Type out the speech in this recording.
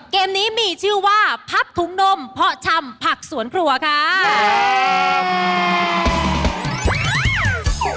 เกมนี้มีชื่อว่าพับถุงนมเพาะชำผักสวนครัวค่ะ